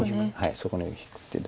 そこに引く手で。